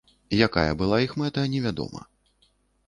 Якая была іх мэта, невядома.